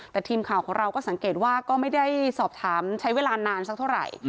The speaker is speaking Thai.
แต่ทีมข่าวของเราก็สังเกตว่าก็ไม่ได้สอบถามใช้เวลานานสักเท่าไหร่